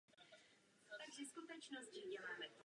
Je hostujícím členem České komory architektů.